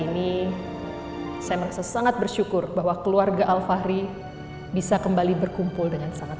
ini saya merasa sangat bersyukur bahwa keluarga alfahri bisa kembali berkumpul dengan sangat